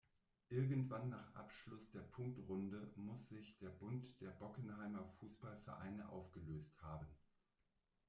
Irgendwann nach Abschluss der Punktrunde muss sich der Bund der Bockenheimer Fußball-Vereine aufgelöst haben.